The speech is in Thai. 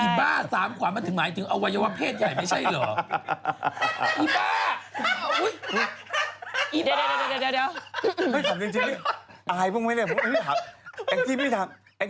บ้าสามขวัญมันถึงหมายถึงอวัยวะเพศใหญ่ไม่ใช่เหรอ